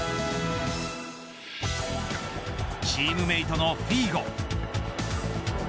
チームメートのフィーゴ。